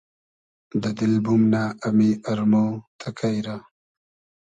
دۂ دیل بومنۂ امی ارمۉ تئکݷ رۂ